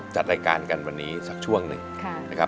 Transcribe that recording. จัดรายการกันวันนี้สักช่วงหนึ่งนะครับ